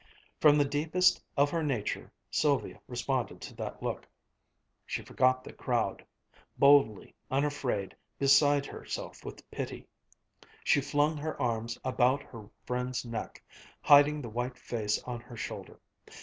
From the deepest of her nature, Sylvia responded to that look. She forgot the crowd, boldly, unafraid, beside herself with pity, she flung her arms about her friend's neck, hiding the white face on her shoulder.